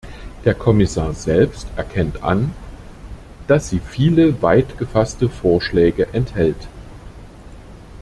Der Kommissar selbst erkennt an, dass sie viele weit gefasste Vorschläge enthält.